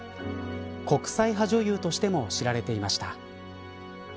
国際派女優としても知られていました。